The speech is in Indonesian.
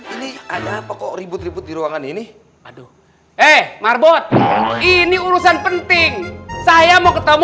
ini ada apa kok ribut ribut di ruangan ini aduh eh marbot ini urusan penting saya mau ketemu